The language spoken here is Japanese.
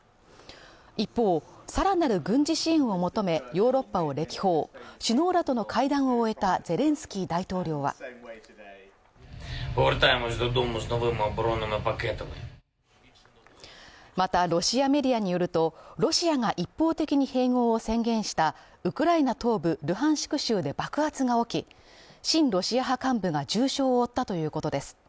一方、更なる軍事支援を求めヨーロッパを歴訪首脳らとの会談を終えたゼレンスキー大統領はまたロシアメディアによると、ロシアが一方的に併合を宣言したウクライナ東部ルハンシク州で爆発が起き、親ロシア派幹部が重傷を負ったということです